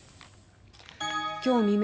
今日未明